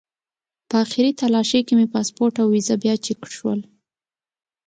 په آخري تالاشۍ کې مې پاسپورټ او ویزه بیا چک شول.